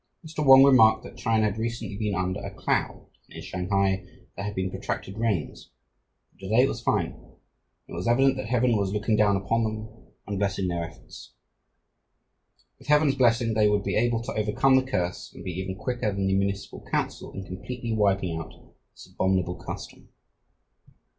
Mr. Wong remarked that China had recently been under a cloud and in Shanghai there had been protracted rains, but to day it was fine and it was evident that heaven was looking down upon them and blessing their efforts. With heaven's blessing they would be able to overcome the curse and be even quicker than the Municipal Council in completely wiping out this abominable custom.